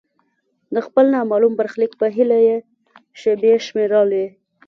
د خپل نامعلوم برخلیک په هیله یې شیبې شمیرلې.